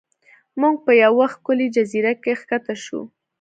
موږ په یوه ښکلې جزیره کې ښکته شو.